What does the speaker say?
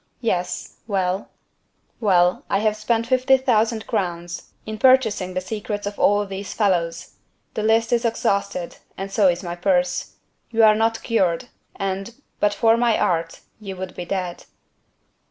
"Yes. Well?" "Well, I have spent fifty thousand crowns in purchasing the secrets of all these fellows: the list is exhausted, and so is my purse. You are not cured: and, but for my art, you would be dead."